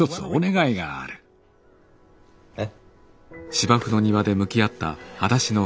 えっ？